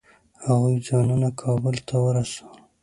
هغوی ځانونه کابل ته ورسول.